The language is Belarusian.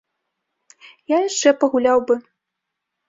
Я яшчэ пагуляў бы.